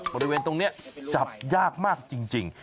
บริเวณตรงนี้จับยากมากจริง